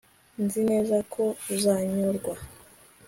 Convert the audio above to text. Nzi neza ko uzanyurwa